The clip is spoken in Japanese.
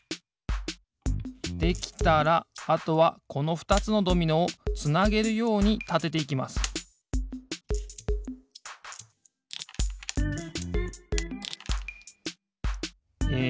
できたらあとはこのふたつのドミノをつなげるようにたてていきますえ